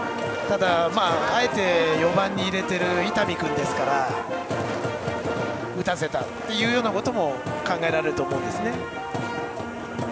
あえて４番に入れている伊丹君ですから打たせたというようなことも考えられると思うんですね。